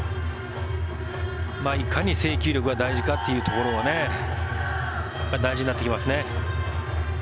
いかに制球力が大事かというところが大事になってきますね。